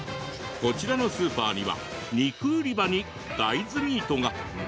こちらのスーパーには肉売り場に大豆ミートが。